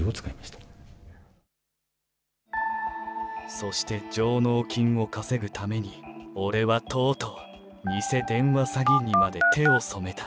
そして上納金を稼ぐために、俺はとうとうニセ電話詐欺にまで手を染めた。